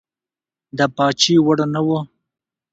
د پاچهي وړ نه وو.